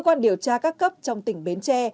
cơ quan điều tra các cấp trong tỉnh bến tre